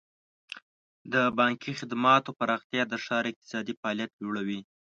د بانکي خدماتو پراختیا د ښار اقتصادي فعالیت لوړوي.